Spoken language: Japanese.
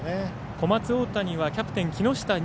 小松大谷はキャプテン木下仁